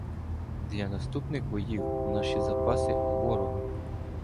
Для наступних боїв наші запаси — у ворога.